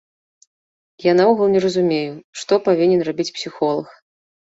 Я наогул не разумею, што павінен рабіць псіхолаг.